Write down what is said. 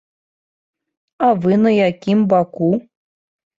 А вы на якім баку?